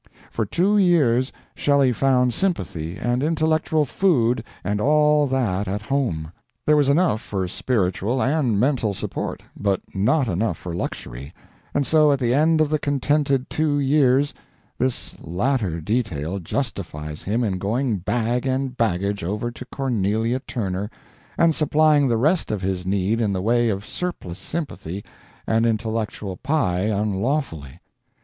For two years Shelley found sympathy and intellectual food and all that at home; there was enough for spiritual and mental support, but not enough for luxury; and so, at the end of the contented two years, this latter detail justifies him in going bag and baggage over to Cornelia Turner and supplying the rest of his need in the way of surplus sympathy and intellectual pie unlawfully.